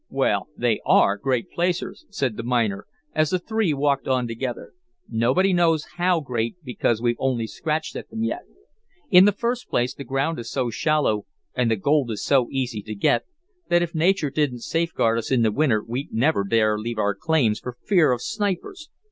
"Well, they ARE great placers," said the miner, as the three walked on together; "nobody knows HOW great because we've only scratched at them yet. In the first place the ground is so shallow and the gold is so easy to get, that if nature didn't safeguard us in the winter we'd never dare leave our claims for fear of 'snipers.'